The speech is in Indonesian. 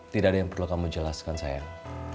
tidak ada yang perlu kamu jelaskan sayang